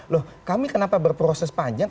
loh kami kenapa berproses panjang